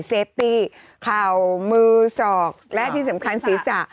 เฟตี้เข่ามือสอกและที่สำคัญศีรษะ